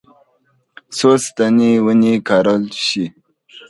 څو ستنې ونه کارول شي.